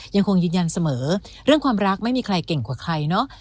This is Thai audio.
ยังคงยืนยันเสมอเรื่องความรักไม่มีใครเก่งกว่าใครเนอะ